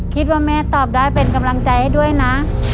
คิดว่าแม่ตอบได้เป็นกำลังใจให้ด้วยนะ